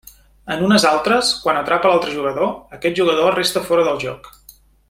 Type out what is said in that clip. En unes altres, quan atrapa l'altre jugador, aquest jugador resta fora del joc.